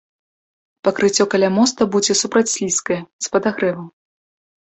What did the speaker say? Пакрыццё каля моста будзе супрацьслізкае, з падагрэвам.